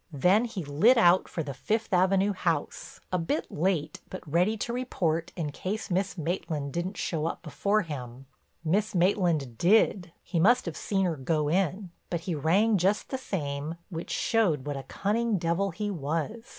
Then he lit out for the Fifth Avenue house, a bit late but ready to report in case Miss Maitland didn't show up before him. Miss Maitland did—he must have seen her go in—but he rang just the same, which showed what a cunning devil he was.